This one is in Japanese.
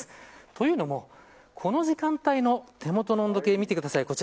というのも、この時間帯の手元の温度計を見てください。